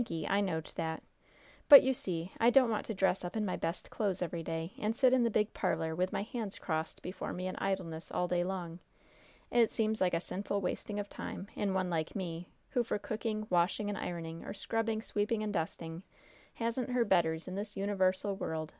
I knowed that. But, you see, I don't want to dress up in my best clothes every day, and sit in the big parlor, with my hands crossed before me in idleness, all day long. It seems like a sinful wasting of time, in one like me, who for cooking, washing and ironing, or scrubbing, sweeping, and dusting, hasn't her betters in this univarsal world!"